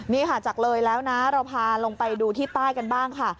นี่ค่ะจากเลยแล้วนะเราพาลงไปดูที่ใต้กันบ้างค่ะ